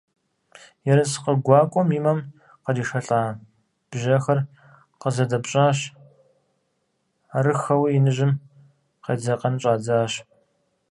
Ерыскъы гуакӀуэм и мэм къришэлӀа бжьэхэр къызэдэпщӀащ, арыххэуи иныжьым къедзэкъэн щӀадзащ.